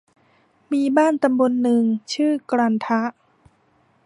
มีบ้านตำบลหนึ่ง ชื่อกลันทะ